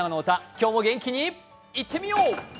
今日も元気にいってみよう！